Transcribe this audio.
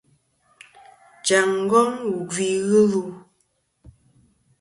Jaŋ ngong wù gvi ghɨ lu.